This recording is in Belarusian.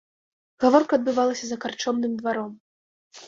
Гаворка адбывалася за карчомным дваром.